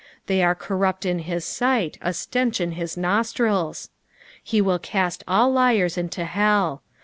They are corrupt in bis sight, a stench in his nostriU. He will cast all liars into hell.